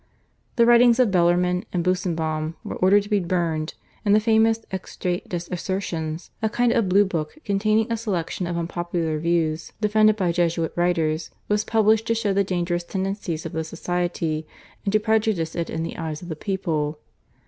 The writings of Bellarmine and Busenbaum were ordered to be burned, and the famous /Extrait des Assertions/, a kind of blue book containing a selection of unpopular views defended by Jesuit writers, was published to show the dangerous tendencies of the Society and to prejudice it in the eyes of the people.